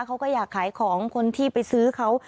เขาก็อยากขายของคนที่ไปซื้อเขา